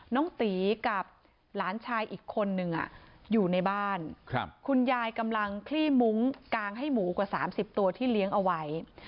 น้องตีกับหลานชายอีกคนนึงอยู่ในบ้านคุณยายกำลังคลี่มุ้งกางให้หมูกว่า๓๐ตัวที่เลี้ยงเอาไว้